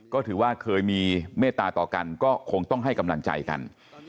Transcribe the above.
ก็ถือว่าเคยมีเมตตาต่อกันก็คงต้องให้กำลังใจกัน